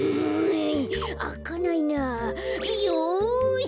よし！